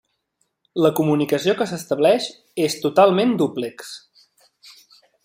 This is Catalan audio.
La comunicació que s'estableix és totalment dúplex.